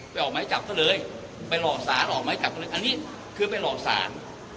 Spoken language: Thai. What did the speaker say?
ออกไม้จับซะเลยไปหลอกสารออกไม้จับเขาเลยอันนี้คือไปหลอกศาล